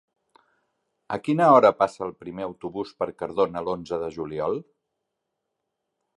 A quina hora passa el primer autobús per Cardona l'onze de juliol?